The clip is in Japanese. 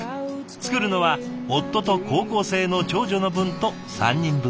作るのは夫と高校生の長女の分と３人分。